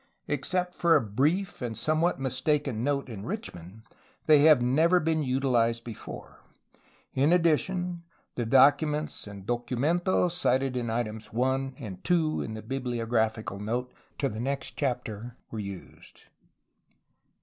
Except for a brief and some what mistaken note in Richman, they have never been utiKzed before. In addition, the Documents and Docu mentos, cited as items 1 and 2 in the bibliographical note to the next chap ter, were used.